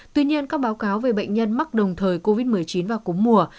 tuy nhiên các báo cáo về bệnh nhân mắc đồng thời covid một mươi chín vào cúng mùa